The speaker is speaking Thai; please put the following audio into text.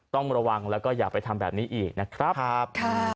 ต้องระวังแล้วก็อย่าไปทำแบบนี้อีกนะครับ